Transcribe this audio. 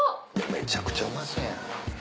めちゃくちゃうまそうやん。